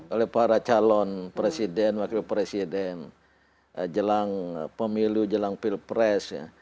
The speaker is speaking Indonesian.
oleh para calon presiden wakil presiden jelang pemilu jelang pilpres